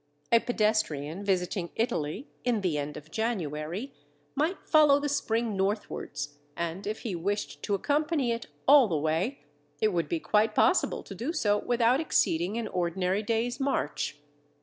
A pedestrian visiting Italy in the end of January might follow the spring northwards, and if he wished to accompany it all the way, it would be quite possible to do so without exceeding an ordinary day's march.